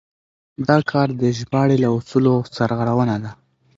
دا کار د ژباړې له اصولو سرغړونه ده.